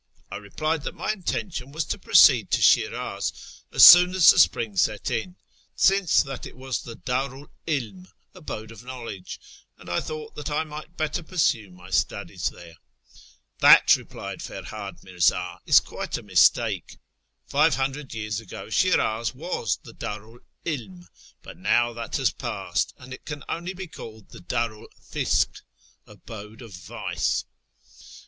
I replied that my intention was to proceed to Shiraz as soon as the spring set in, since that it was the Dc'tritl Ilm (Abode of Knowledge), and I thought that I might better pursue my studies there, " That," replied Ferhdd Mirzu, "is quite a mistake: 500 years ago Shiraz was the DArul Urn, but now that has passed, and it can only be called the Bdru'l Fisk " (Abode of Vice).